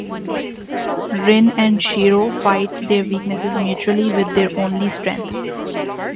Rin and Shirō fight their weaknesses mutually, with their only strength.